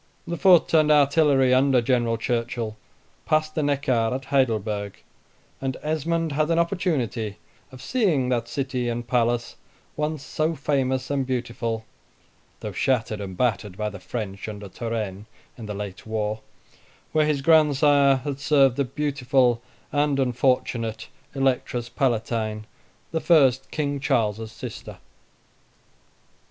The foot and artillery under General Churchill passed the Neckar, at Heidelberg; and Esmond had an opportunity of seeing that city and palace, once so famous and beautiful (though shattered and battered by the French, under Turenne, in the late war), where his grandsire had served the beautiful and unfortunate Electress Palatine, the first King Charles's sister.